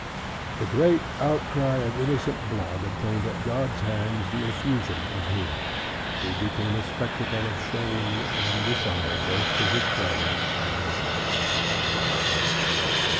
The great outcry of innocent blood, obtained at God's hands the effusion of his; who became a spectacle of shame and dishonor, both to his friends and enemies.